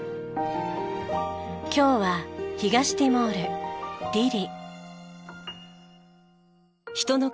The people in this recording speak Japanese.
今日は東ティモールディリ。